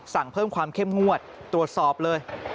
เพิ่มความเข้มงวดตรวจสอบเลย